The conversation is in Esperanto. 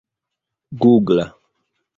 gugla